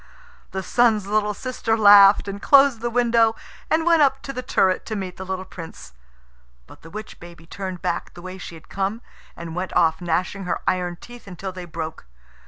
The Sun's little sister laughed, and closed the window, and went up to the turret to meet the little Prince. But the witch baby turned back the way she had come, and went off, gnashing her iron teeth until they broke.